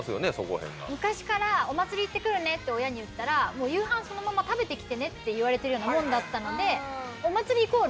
昔から「お祭り行ってくるね」って親に言ったら「夕飯そのまま食べてきてね」って言われてるようなもん。